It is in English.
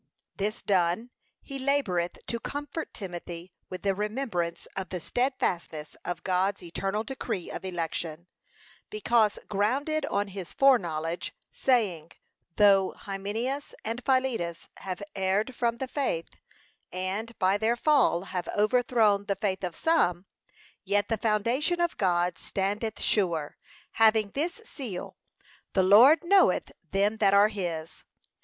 This done, he laboureth to comfort Timothy with the remembrance of the steadfastness of God's eternal decree of election, because grounded on his foreknowledge; saying, though Hymeneus and Philetus have erred from the faith, and, by their fall, have overthrown the faith of some, 'Yet the foundation of God standeth sure, having this seal, The Lord knoweth them that are his.'